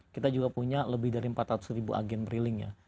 kita juga punya lebih dari empat ratus ribu agen briling ya